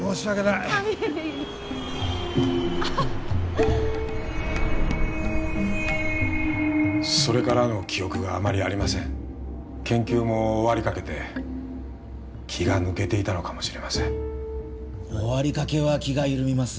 いえいえそれからの記憶があまりありません研究も終わりかけて気が抜けていたのかもしれません終わりかけは気が緩みます